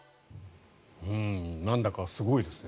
なんだかすごいですね。